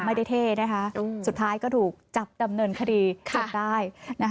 เท่นะคะสุดท้ายก็ถูกจับดำเนินคดีจนได้